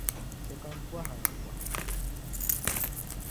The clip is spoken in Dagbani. chɛ ka m bɔhi a m bɔhigu ŋɔ.